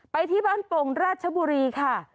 ไปที่บ้านโป่งราชบุรีค่ะ